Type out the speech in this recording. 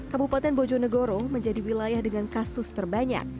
kabupaten bojonegoro menjadi wilayah dengan kasus terbanyak